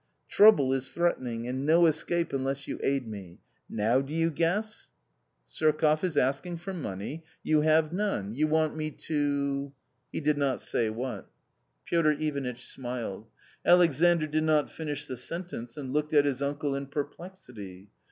Trouble is threatening, and no escape unless you aid me. Now do you guess ?" "Surkoff is asking for money; "you have none. You want me to " He did not say what. V A COMMON STORY 169 Piotr Ivanitch smiled. Alexandr did not finish the sentence, and looked at his uncle in perplexity.